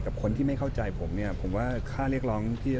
กับคนที่ไม่เข้าใจผมค่าเร็กร้อง